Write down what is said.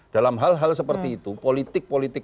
dalam hal hal seperti itu politik politik